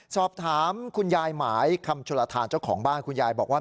สอบถามคุณยายหมายคำชลทานเจ้าของบ้านคุณยายบอกว่า